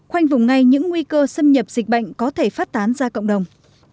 khoanh vùng ngay những nguy cơ xâm nhập dịch bệnh có thể phát tán ra cộng đồng